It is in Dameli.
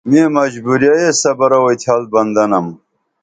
میں مجبوریہ ایس صبرہ اوتھیال بندہ نم